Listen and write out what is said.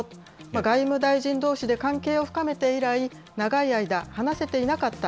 外務大臣どうしで関係を深めて以来、長い間、話せていなかった。